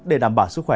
để đảm bảo sức khỏe